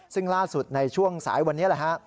ซึ่งล่าสุดในช่วงสายวันนี้แหละฮะ